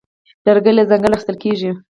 لرګی له ځنګله اخیستل کېږي.